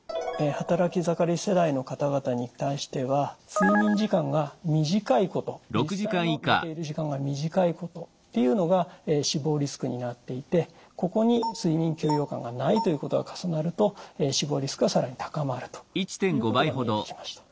働き盛り世代の方々に対しては睡眠時間が短いこと実際の寝ている時間が短いことというのが死亡リスクになっていてここに睡眠休養感がないということが重なると死亡リスクが更に高まるということが見えてきました。